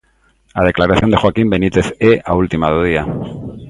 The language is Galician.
A declaración de Joaquín Benítez é a última do día.